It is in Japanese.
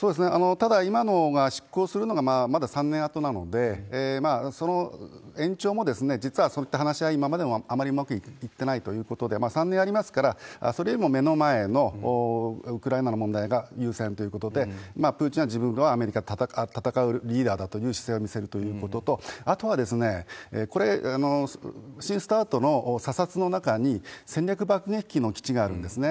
ただ、今のが執行するのがまだ３年あとなので、その延長も実はそういった話し合い、今までもあまりうまくいってないということで、３年ありますから、それよりも目の前のウクライナの問題が優先ということで、プーチンは、自分はアメリカと戦うリーダーだという姿勢を見せるということと、あとはこれ、新ＳＴＡＲＴの査察の中に、戦略爆撃機の基地があるんですね。